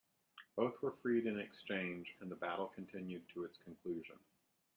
Both were freed in exchange and the battle continued to its conclusion.